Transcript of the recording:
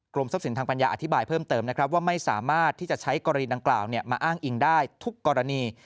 ทรัพย์สินทางปัญญาอธิบายเพิ่มเติมนะครับว่าไม่สามารถที่จะใช้กรณีดังกล่าวมาอ้างอิงได้ทุกกรณี